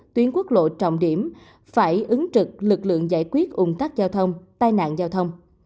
tuyến quốc lộ trọng điểm phải ứng trực lực lượng giải quyết ủng tắc giao thông tai nạn giao thông